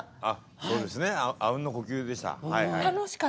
そうですねあうんの呼吸でした。